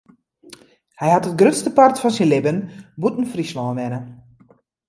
Hy hat it grutste part fan syn libben bûten Fryslân wenne.